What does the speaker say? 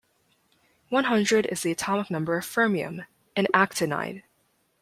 One hundred is the atomic number of fermium, an actinide.